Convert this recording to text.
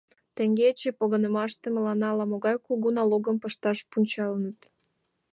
Теҥгече погынымаште мыланна ала-могай кугу налогым пышташ пунчалыныт.